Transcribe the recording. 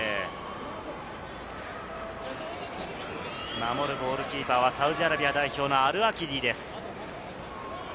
守るゴールキーパーはサウジアラビアのアルアキディです。